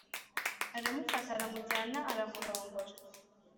aramufata aramujyana aramurongora